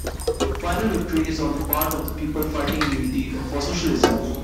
Final victory is on the part of the people fighting in unity for socialism.